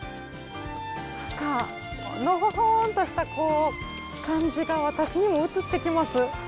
何かのほほんとした感じが私にもうつってきます。